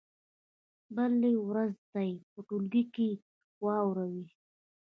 بلې ورځې ته یې په ټولګي کې واورئ.